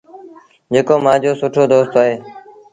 جيڪو مآݩجو سُٺو دوست اهي۔